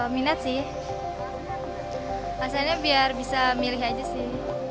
minat sih rasanya biar bisa milih aja sih